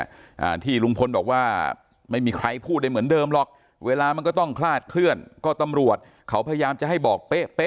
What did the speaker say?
อ่าที่ลุงพลบอกว่าไม่มีใครพูดได้เหมือนเดิมหรอกเวลามันก็ต้องคลาดเคลื่อนก็ตำรวจเขาพยายามจะให้บอกเป๊ะเป๊ะ